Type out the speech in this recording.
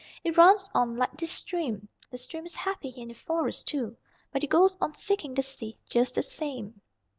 It runs on like this stream. The stream is happy here in the Forest, too, but it goes on seeking the sea just the same."